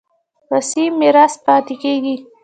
وصي میراث پاتې کېږي.